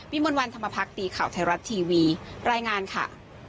มนต์วันธรรมพักดีข่าวไทยรัฐทีวีรายงานค่ะ